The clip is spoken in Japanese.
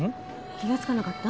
気がつかなかった？